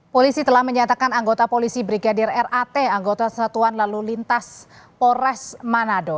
polisi telah menyatakan anggota polisi brigadir rat anggota satuan lalu lintas polres manado